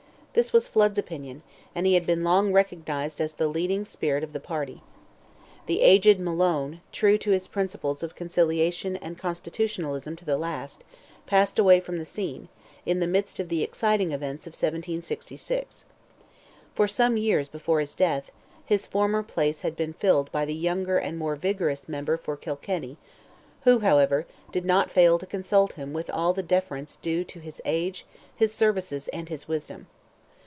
This was Flood's opinion, and he had been long recognized as the leading spirit of the party. The aged Malone, true to his principles of conciliation and constitutionalism to the last, passed away from the scene, in the midst of the exciting events of 1776. For some years before his death, his former place had been filled by the younger and more vigorous member for Kilkenny, who, however, did not fail to consult him with all the deference due to his age, his services, and his wisdom.